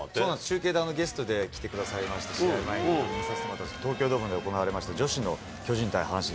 中継で、ゲストで来てくださいました、試合前に見させてもらったんですけど、東京ドームで行われました女子の巨人対阪神。